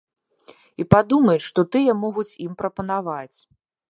І падумаюць, што тыя могуць ім прапанаваць.